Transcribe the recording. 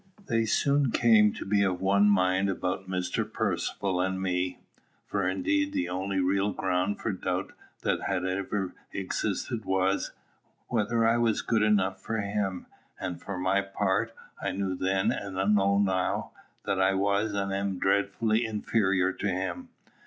They soon came to be of one mind about Mr. Percivale and me: for indeed the only real ground for doubt that had ever existed was, whether I was good enough for him; and for my part, I knew then and know now, that I was and am dreadfully inferior to him.